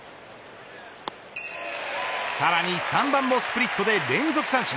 さらに３番もスプリットで連続三振。